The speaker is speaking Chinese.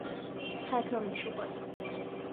泰特美术馆。